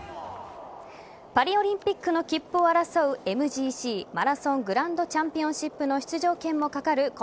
パリオリンピックの切符を争うＭＧＣ＝マラソングランドチャンピオンシップの出場権もかかる